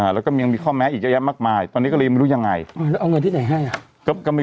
แล้วก็ยังมีข้อแม้อีกย้ายมากมายตอนนี้ก็เลยไม่รู้ยังไง